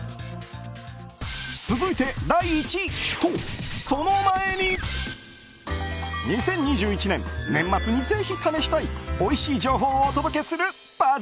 続いて第１位、とその前に２０２１年、年末にぜひ試したいおいしい情報をお届けするＢＵＺＺ